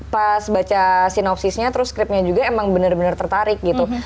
pas baca sinopsisnya terus scripnya juga emang bener bener tertarik gitu